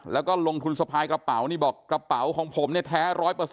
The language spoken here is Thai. แล้วก็ลงทุนสะพายกระเป๋านี่บอกกระเป๋าของผมเนี่ยแท้๑๐๐